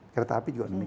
kereta api juga